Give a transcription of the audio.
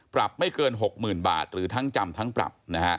ปรับไม่เกิน๖๐๐๐บาทหรือทั้งจำทั้งปรับ